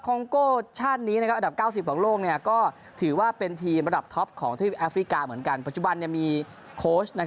คือมี๒ชาตินะครับเป็นคนละชาติ